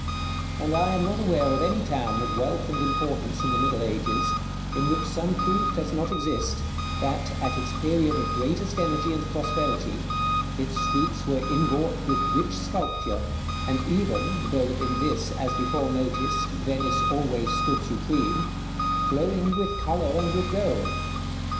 And I am not aware of any town of wealth and importance in the middle ages, in which some proof does not exist, that, at its period of greatest energy and prosperity, its streets were inwrought with rich sculpture, and even (though in this, as before noticed, Venice always stood supreme) glowing with color and with gold.